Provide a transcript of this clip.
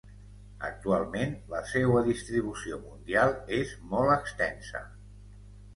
Actualment la seua distribució mundial és molt extensa.